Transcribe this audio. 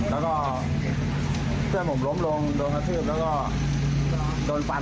แล้วก็เพื่อนผมล้มลงโดนกระทืบแล้วก็โดนฟัน